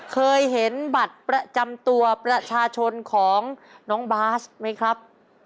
เคยเห็นบัตรประจำตัวประชาชนของน้องบาสไหมครับ